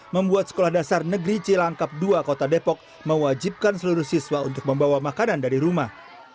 membuat sekolah dasar negeri cilangkap dua kota depok mewajibkan seluruh siswa untuk membawa makanan dari rumah